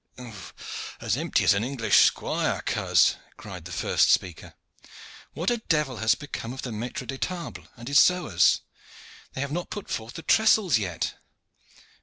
"As empty as an English squire, coz," cried the first speaker. "What a devil has become of the maitre des tables and his sewers? They have not put forth the trestles yet."